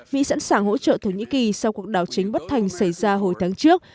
mỹ sẵn sàng hỗ trợ thổ nhĩ kỳ sau cuộc đảo chính bất thành xảy ra hồi tháng trước